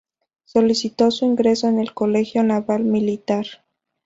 Solicitó su ingreso en el Colegio Naval Militar.